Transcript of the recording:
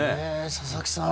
佐々木さん